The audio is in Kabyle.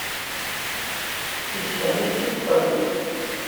Yessefhem-itt-id Sami.